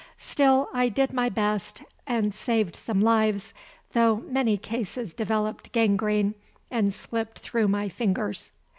Still I did my best and saved some lives, though many cases developed gangrene and slipped through my fingers.